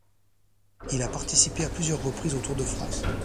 Il a participé à plusieurs reprises au Tour de France.